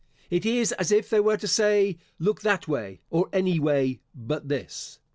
It is as if they were to say, "Look that way, or any way, but this."